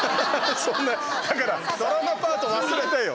だからドラマパート忘れてよ。